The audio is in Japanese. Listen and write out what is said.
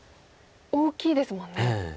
大きいですもんね。